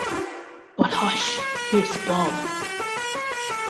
But, hush, here’s Bob.